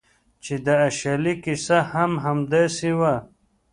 چې د اشلي کیسه هم همداسې وه